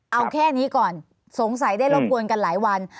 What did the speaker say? ภารกิจสรรค์ภารกิจสรรค์